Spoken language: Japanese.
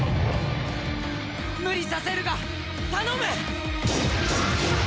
無理させるが頼む！